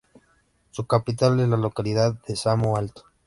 Su capital es la localidad de Samo Alto.